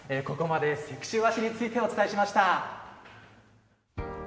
ここまで石州和紙についてお伝えしました。